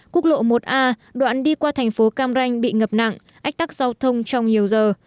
quốc lộ một a đoạn đi qua thành phố cam ranh bị ngập nặng ách tắc giao thông trong nhiều giờ